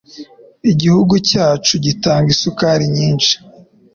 Igihugu cyacu gitanga isukari nyinshi